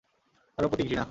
কারো প্রতি ঘৃণা।